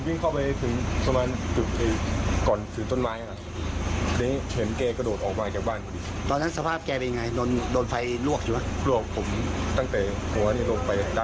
ลวกผมตั้งแต่หัวละนี้ลวกไปด้านหลังขาไปหมด